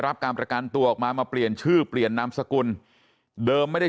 รับการประกันตัวออกมามาเปลี่ยนชื่อเปลี่ยนนามสกุลเดิมไม่ได้